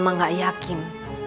karena mama gak yakin